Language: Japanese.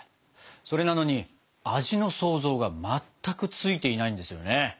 それなのに味の想像が全くついていないんですよね。